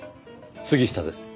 杉下です。